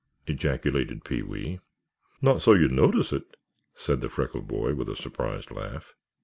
_" ejaculated Pee wee. "Not so you'd notice it," said the freckled boy with a surprised laugh.